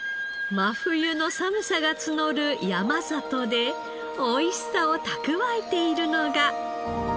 真冬の寒さが募る山里で美味しさを蓄えているのが。